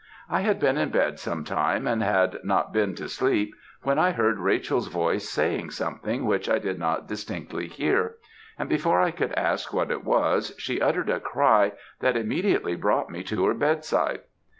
I had been in bed sometime, and had not been to sleep, when I heard Rachel's voice, saying something which I did not distinctly hear, and before I could ask what it was, she uttered a cry that immediately brought me to her bedside.